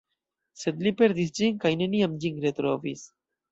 Sed li perdis ĝin kaj neniam ĝin retrovis.